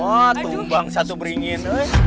wah tuh bangsa tuh beringin